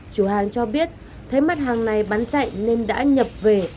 chủ hàng cho biết thấy mặt hàng này bán chạy nên đã nhập về